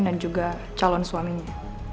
dan juga calon suaminya